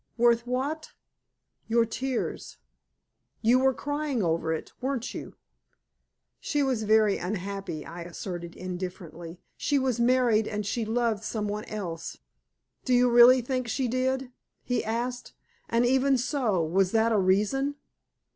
"Worth what?" "Your tears. You were crying over it, weren't you?" "She was very unhappy," I asserted indifferently. "She was married and she loved some one else." "Do you really think she did?" he asked. "And even so, was that a reason?"